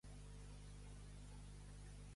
Jesús! Com fila el fus!